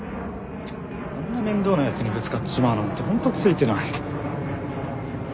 あんな面倒な奴にぶつかっちまうなんて本当ついてない。